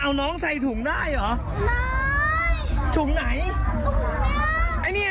นั่งพักต่อหรือพักไป